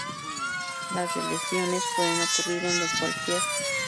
Las deleciones pueden ocurrir en cualquier parte del cromosoma.